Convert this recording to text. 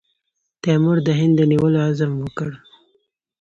تیمور د هند د نیولو عزم وکړ.